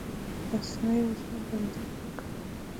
لاسي صنایع یوازې زموږ ضرورتونه نه پوره کوي.